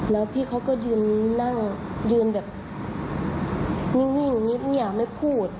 แล้วพี่เขาก็ยืนนั่งยืนแบบนิ่งอย่างนี้ทุกอย่างไม่พูด